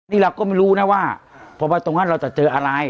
นี่เราก็ไม่รู้นะว่าพอมาตรงนั้นเราจะเจออะไร